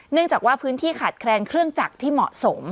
เนื่องจากว่าพื้นที่ขาดแคลนเครื่องจักรที่เหมาะสม